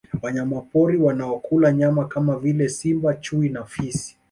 Wanyamapori wanao kula nyama kama vile simba chui na fisi